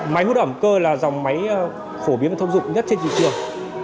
máy hút ẩm cơ là dòng máy phổ biến thông dụng nhất trên thị trường